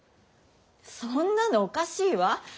そんなのおかしいわ。